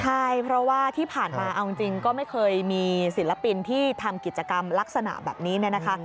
ใช่เพราะว่าที่ผ่านมาเอาจริงก็ไม่เคยมีศิลปินที่ทำกิจกรรมลักษณะแบบนี้เนี่ยนะคะ